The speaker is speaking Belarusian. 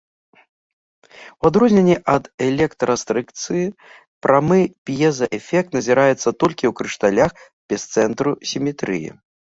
У адрозненні ад электрастрыкцыі, прамы п'езаэфект назіраецца толькі ў крышталях без цэнтру сіметрыі.